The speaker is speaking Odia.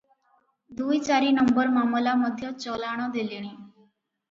ଦୁଇ ଚାରି ନମ୍ବର ମାମଲା ମଧ୍ୟ ଚଲାଣ ଦେଲେଣି ।